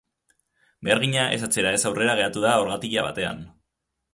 Behargina ez atzera ez aurrera geratu da orgatila batean.